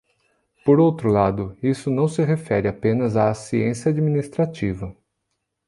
Por outro lado, isso não se refere apenas à ciência administrativa.